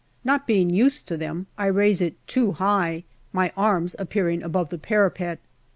Not being used to them, I raise it too high, my arms appearing above the parapet.